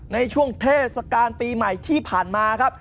เทศกาลปีใหม่ที่ผ่านมาครับ